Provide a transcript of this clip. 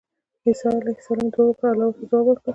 عيسی عليه السلام دعاء وکړه، الله ورته ځواب ورکړ